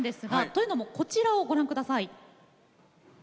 というのもこちらをご覧ください。